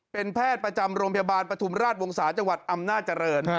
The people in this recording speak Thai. เป็นแพทย์ประจำโรงพยาบาลปฐุมราชวงศาจังหวัดอำนาจริง